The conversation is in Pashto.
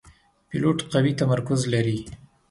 پیلوټ قوي تمرکز لري.